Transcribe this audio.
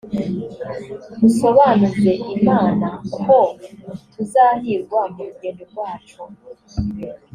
usobanuze imana ko tuzahirwa mu rugendo rwacu